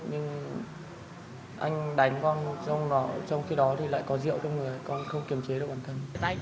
nhưng anh đánh con trong đó thì lại có rượu trong người con không kiềm chế được bản thân